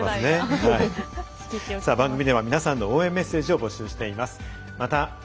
番組では皆さんの応援メッセージを募集しています。